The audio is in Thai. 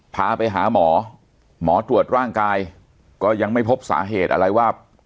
พาไปหาหมอหมอตรวจร่างกายก็ยังไม่พบสาเหตุอะไรว่า